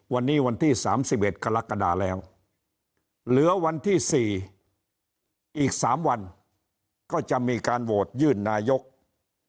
วันนี้วันที่๓๑ฆรศกรรมแล้วเหลือวันที่๔อีก๓วันก็จะมีการโวร์ดยื่นนายกรัฐมนตรี